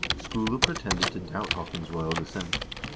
Skule pretended to doubt Haakon's royal descent.